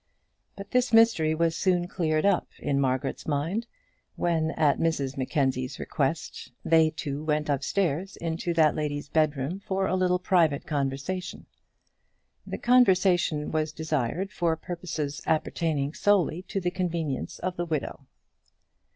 But this mystery was soon cleared up in Margaret's mind, when, at Mrs Mackenzie's request, they two went upstairs into that lady's bedroom for a little private conversation. The conversation was desired for purposes appertaining solely to the convenience of the widow.